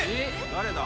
誰だ？